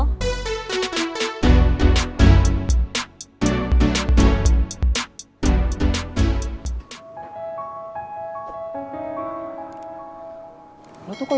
cewek juga enek kali ngeliat kelakuan lo